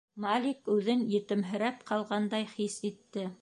Маликүҙен етемһерәп ҡалғандай хис итте.